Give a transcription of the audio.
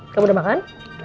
kamu udah makan